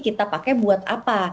kita pakai buat apa